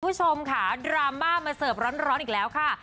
คุณผู้ชมค่ะดราม่ามาเสิร์ฟร้อนอีกแล้วค่ะ